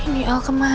ini al kemana sih